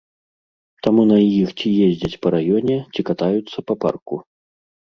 Таму на іх ці ездзяць па раёне, ці катаюцца па парку.